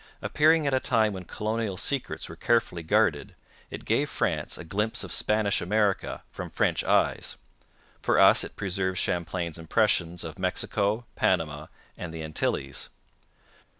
Appearing at a time when colonial secrets were carefully guarded, it gave France a glimpse of Spanish America from French eyes. For us it preserves Champlain's impressions of Mexico, Panama, and the Antilles.